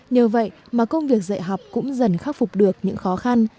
nhờ vậy mà công việc dạy học cũng dần khắc phục được những khó khăn